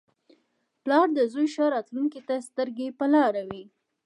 • پلار د زوی ښې راتلونکې ته سترګې په لاره وي.